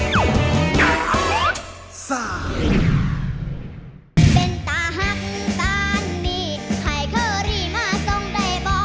เป็นตาหักตานีใครเคยรีมาส่งได้บ่